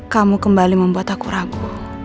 kamu kembali membuat aku ragu